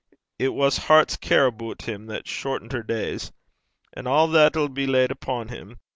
It was hert's care aboot him that shortent her days. And a' that'll be laid upo' him.